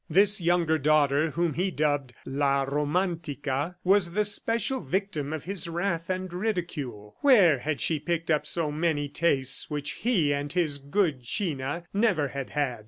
This younger daughter whom he dubbed La Romantica, was the special victim of his wrath and ridicule. Where had she picked up so many tastes which he and his good China never had had?